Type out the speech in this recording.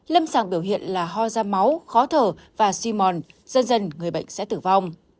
lâm sàng biểu hiện là ho ra máu khó thở và si mòn dần dần người bệnh sẽ tử vong